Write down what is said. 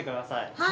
はい。